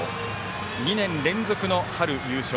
２年連続の春優勝。